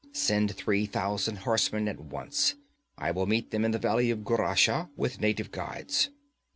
Send three thousand horsemen at once. I will meet them in the valley of Gurashah with native guides.'